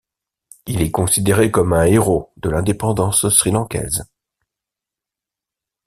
Il est considéré comme un héros de l'indépendance sri-lankaise.